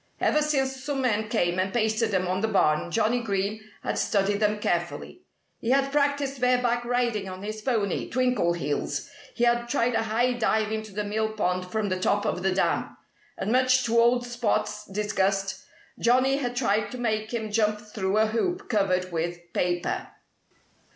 Ever since some men came and pasted them on the barn Johnnie Green had studied them carefully. He had practiced bareback riding on his pony, Twinkleheels. He had tried a high dive into the mill pond from the top of the dam. And much to old dog Spot's disgust Johnnie had tried to make him jump through a hoop covered with paper.